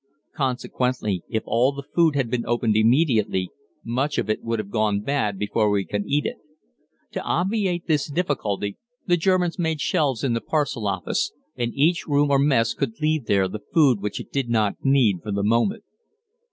Consequently, if all the food had been opened immediately, much of it would have gone bad before we could eat it. To obviate this difficulty, the Germans made shelves in the parcel office, and each room or mess could leave there the food which it did not need for the moment.